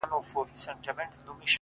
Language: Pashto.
o پاس پر پالنگه اكثر،